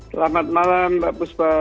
selamat malam mbak busba